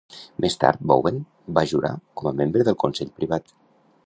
Més tard, Bowen va jurar com a membre del Consell Privat.